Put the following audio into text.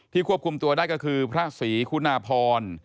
ควบคุมตัวได้ก็คือพระศรีคุณาพร